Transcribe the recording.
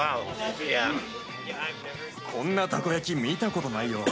こんなたこ焼き見たことないよ。